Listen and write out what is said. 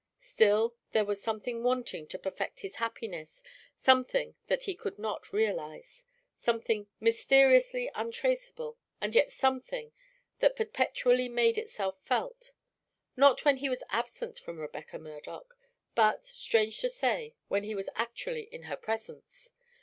Still, there was something wanting to perfect his happiness, something that he could not realize, something mysteriously untraceable, and yet something that perpetually made itself felt; not when he was absent from Rebecca Murdoch, but, strange to say, when he was actually in her presence!